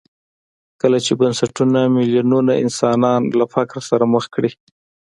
کله چې بنسټونه میلیونونه انسانان له فقر سره مخ کړي.